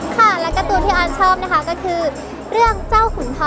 ค่ะและการ์ตูนที่ออนชอบนะคะก็คือเรื่องเจ้าขุนทอ